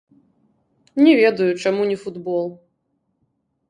Не ведаю, чаму не футбол.